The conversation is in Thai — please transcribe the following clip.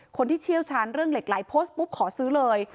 เชี่ยวชาญเรื่องเหล็กไหลโพสต์ปุ๊บขอซื้อเลย